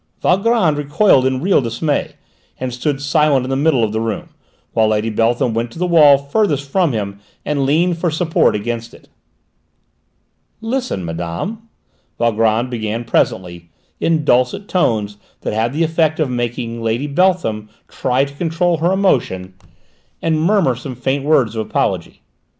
Valgrand recoiled in real dismay, and stood silent in the middle of the room, while Lady Beltham went to the wall farthest from him and leaned for support against it. "Listen, madame," Valgrand began presently, in dulcet tones that had the effect of making Lady Beltham try to control her emotion and murmur some faint words of apology.